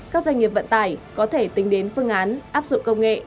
các doanh nghiệp vận tải có thể tính đến phương án áp dụng công nghệ